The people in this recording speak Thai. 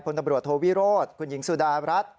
ตำรวจโทวิโรธคุณหญิงสุดารัฐ